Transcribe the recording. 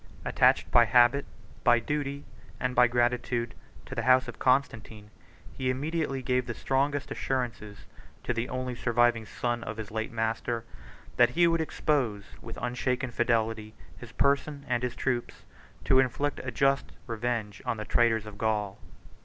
73 Attached by habit, by duty, and by gratitude, to the house of Constantine, he immediately gave the strongest assurances to the only surviving son of his late master, that he would expose, with unshaken fidelity, his person and his troops, to inflict a just revenge on the traitors of Gaul.